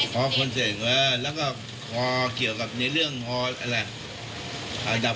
เป็นเรื่องของที่เอาไว้ช่วยประชาธนการทดสอบ